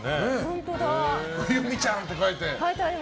「冬美ちゃん」って書いて。